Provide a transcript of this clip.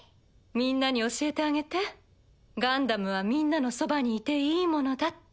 みんなに教えてあげてガンダムはみんなのそばにいていいものだって。